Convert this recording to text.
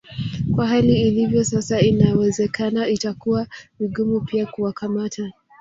Kwa hali ilivyo sasa inawezekana itakuwa vigumu pia kuwakamata